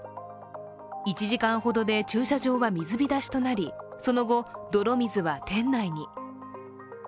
１時間ほどで駐車場は水浸しとなりその後、泥水は店内に。